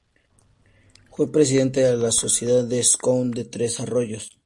Fue presidente de la sociedad de Scout de Tres Arroyos.